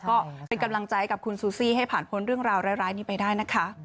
ก็เป็นกำลังใจกับคุณซูซี่ให้ผ่านพ้นเรื่องราวร้ายนี้ไปได้นะคะ